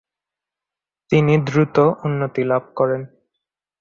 তিনি দ্রুত উন্নতি লাভ করেন।